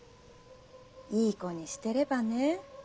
いい子にしてればね。